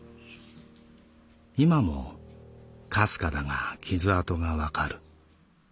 いまも微かだが傷痕がわかる。